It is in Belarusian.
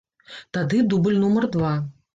Тады дубль нумар два.